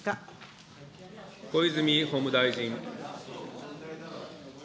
小泉法務大臣。